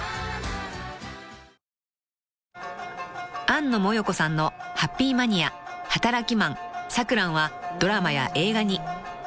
［安野モヨコさんの『ハッピー・マニア』『働きマン』『さくらん』はドラマや映画に］